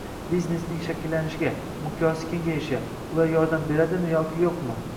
biznesning shaklanishiga, miqyosi kengayishiga ular yordam beradimi yoki yoʻqmi